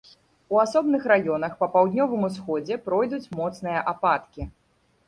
У асобных раёнах па паўднёвым усходзе пройдуць моцныя ападкі.